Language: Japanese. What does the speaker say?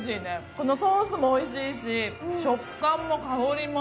このソースもおいしいし、食感も香りも。